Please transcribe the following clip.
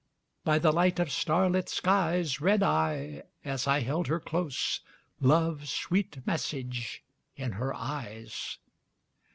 By the light of starlit skies Read I, as I held her close, Love's sweet message in her eyes.